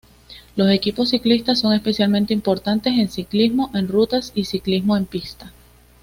Los equipos ciclistas son especialmente importantes en ciclismo en ruta y ciclismo en pista.